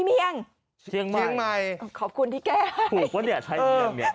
เมียงเชียงใหม่ขอบคุณที่แก้ให้ถูกว่าเนี้ยไทยเมียงเนี้ย